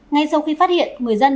ngay sau khi phát hiện người dân